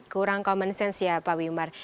kurang common sense ya pak wimar